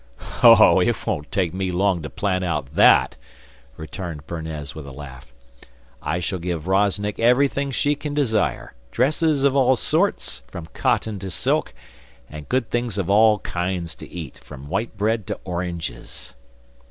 'Oh, it won't take me long to plan out that,' returned Bernez with a laugh. 'I shall give Rozennik everything she can desire, dresses of all sorts, from cotton to silk, and good things of all kinds to eat, from white bread to oranges.